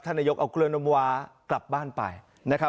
ท่านนโยคเอากล้วน้ำว้ากลับบ้านไปนะครับ